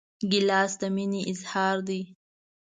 ګیلاس د مینې اظهار دی.